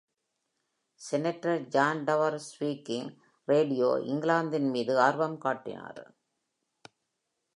Senator John Tower swinging radio இங்கிலாந்தின் மீது ஆர்வம் காட்டினார்.